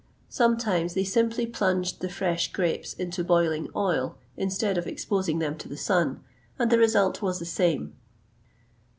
Sometimes they simply plunged the fresh grapes into boiling oil, instead of exposing them to the sun, and the result was the same.